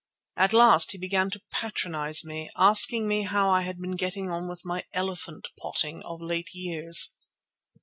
At last he began to patronize me, asking me how I had been getting on with my "elephant potting" of late years.